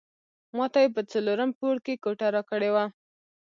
ماته یې په څلورم پوړ کې کوټه راکړې وه.